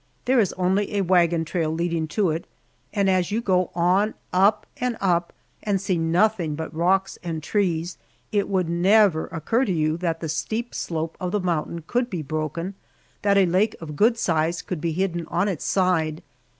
There is only a wagon trail leading to it, and as you go on up and up, and see nothing but rocks and trees, it would never occur to you that the steep slope of the mountain could be broken, that a lake of good size could be hidden on its side.